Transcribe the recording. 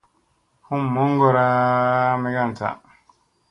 Hum moŋgora guy vunu ha suŋka.